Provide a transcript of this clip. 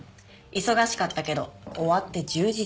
忙しかったけど終わって充実の一杯。